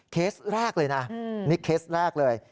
เคสแรกเลยนะนี่เคสแรกเลย